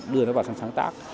đưa nó vào sáng tác